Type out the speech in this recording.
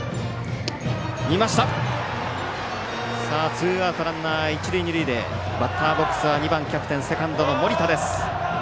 ツーアウト、ランナー一塁二塁でバッターボックスは２番のセカンドの森田です。